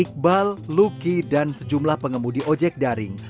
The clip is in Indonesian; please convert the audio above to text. iqbal luki dan sejumlah pengemudi ojek daring